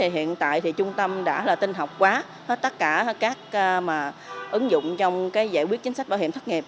hiện tại trung tâm đã tinh học quá tất cả các ứng dụng trong giải quyết chính sách bảo hiểm thất nghiệp